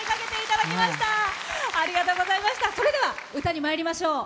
それでは歌にまいりましょう。